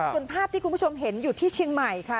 ส่วนภาพที่คุณผู้ชมเห็นอยู่ที่เชียงใหม่ค่ะ